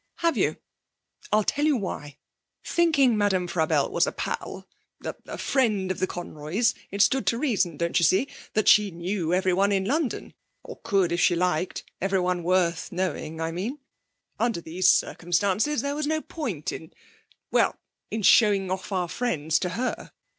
'Have you? I'll tell you why. Thinking Madame Frabelle was a pal, er a friend of the Conroys, it stood to reason, don't you see, that she knew everyone in London; or could, if she liked everyone worth knowing, I mean. Under these circumstances there was no point in well in showing off our friends to her.